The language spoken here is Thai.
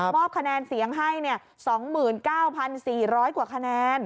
บคะแนนเสียงให้๒๙๔๐๐กว่าคะแนน